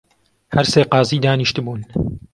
هەر سێ قازی دانیشتبوون